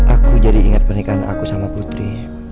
aku jadi ingat pernikahan aku sama putri